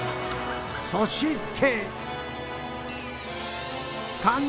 そして！